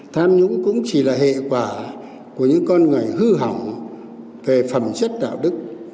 tham nhũng cũng chỉ là hệ quả của những con người hư hỏng về phẩm chất đạo đức